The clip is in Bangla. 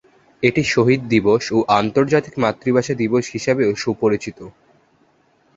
এটি শহীদ দিবস ও আন্তর্জাতিক মাতৃভাষা দিবস হিসাবেও সুপরিচিত।